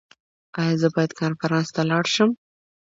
ایا زه باید کنفرانس ته لاړ شم؟